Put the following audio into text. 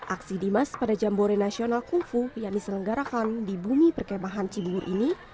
aksi dimas pada jambore nasional kungfu yang diselenggarakan di bumi perkemahan cibubur ini